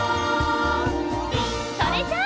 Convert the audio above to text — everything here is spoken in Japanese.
それじゃあ！